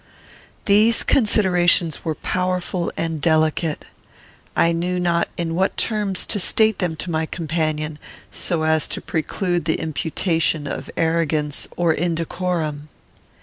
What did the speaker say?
These considerations were powerful and delicate. I knew not in what terms to state them to my companion, so as to preclude the imputation of arrogance or indecorum.